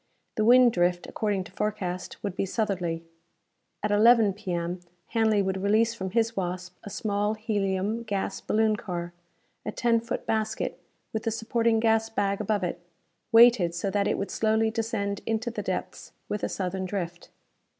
The wind drift, according to forecast, would be southerly. At 11 P.M. Hanley would release from his Wasp a small helium gas baloon car a ten foot basket with the supporting gas bag above it, weighted so that it would slowly descend into the depths, with a southern drift.